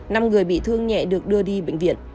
năm người bị thương nhẹ được đưa đi bệnh viện